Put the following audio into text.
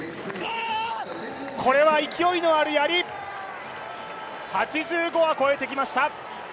これは勢いのあるやり、８５は越えてきました。